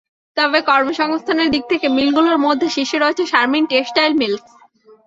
তবে কর্মসংস্থানের দিক থেকে মিলগুলোর মধ্যে শীর্ষে রয়েছে শারমিন টেক্সটাইল মিলস।